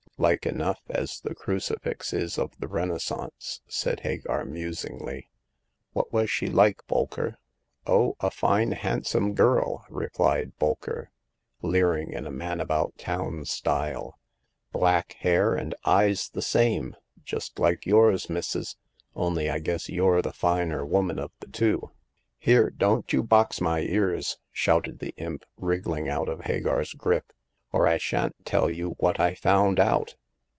Like enough, as the cru cifix is of the Renaissance," said Hagar, musingly. "What was she like, Bolker?" " Oh, a fine, handsome girl," replied Bolker, leering in a man about town style ;" black hair and eyes the same — ^just like yours, missus, only I guess you're the finer woman of the two. Here The Fourth Customer. iii — don't you box my ears/' shouted the imp, wriggUng out of Hagar's grip, or I shan't tell you what I found out